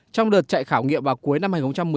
trong đợt chạy khảo nghiệm vào cuối năm hai nghìn một mươi